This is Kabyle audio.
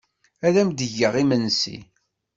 Ad am-d-geɣ imensi.